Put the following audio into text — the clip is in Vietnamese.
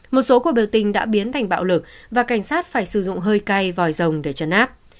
một số cuộc biểu tình đã biến thành bạo lực và cảnh sát phải sử dụng hơi cay vòi rồng để trấn áp